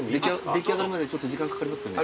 出来上がるまでちょっと時間かかりますよね。